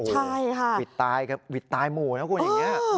ใช่ค่ะวิดตายหมดแล้วคุณอย่างนี้